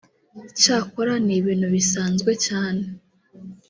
cyakora ni ibintu bisanzwe cyane”